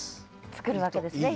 作るわけですね